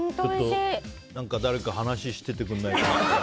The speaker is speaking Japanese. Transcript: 誰か、話しててくれないかな。